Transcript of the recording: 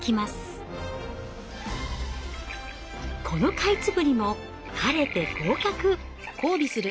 このカイツブリも晴れて合格。